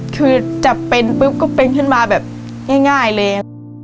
คือจับเป็นปุ๊บก็เป็นขึ้นมาแบบง่ายเลย